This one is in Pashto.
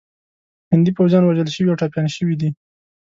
هندي پوځیان وژل شوي او ټپیان شوي دي.